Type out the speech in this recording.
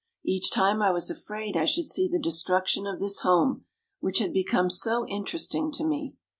Each time I was afraid I should see the destruction of this home, which had become so interesting to me.